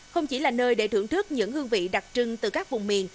không chỉ là nơi để thưởng thức những hương vị đặc trưng từ các vùng miền